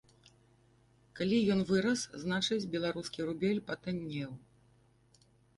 Калі ён вырас, значыць, беларускі рубель патаннеў.